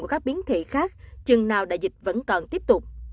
các biến thể khác chừng nào đại dịch vẫn còn tiếp tục